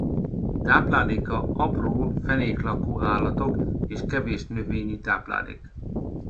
Tápláléka apró fenéklakó állatok és kevés növényi táplálék.